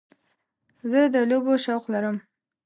زه د لوبو شوق لرم.